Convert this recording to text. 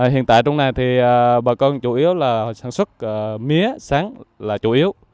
hiện tại trong này thì bà con chủ yếu là sản xuất mía sáng là chủ yếu